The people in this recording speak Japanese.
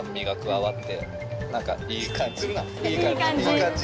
いい感じ。